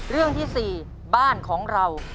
เรื่องที่๔บ้านของเรา